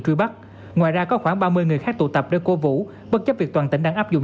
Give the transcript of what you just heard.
truy bắt ngoài ra có khoảng ba mươi người khác tụ tập để cố vũ bất chấp việc toàn tỉnh đang áp dụng